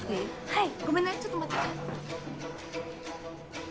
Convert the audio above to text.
はい。